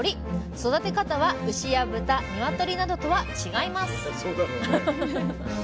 育て方は牛や豚鶏などとは違います